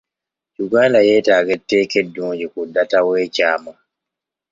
Uganda yeetaaga etteeka eddungi ku data ow'ekyama.